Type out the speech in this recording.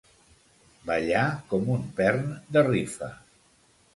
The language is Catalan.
Ballar com un pern de rifa.